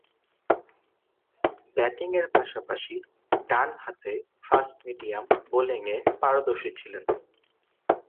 ব্যাটিংয়ের পাশাপাশি ডানহাতে ফাস্ট-মিডিয়াম বোলিংয়ে পারদর্শী ছিলেন।